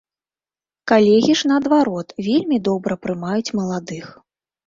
Калегі ж наадварот, вельмі добра прымаюць маладых.